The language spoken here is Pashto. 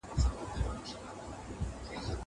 كه د مړو پر نڅا خاندي